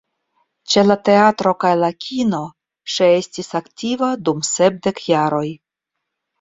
Ĉe la teatro kaj la kino, ŝi estis aktiva dum sepdek jaroj.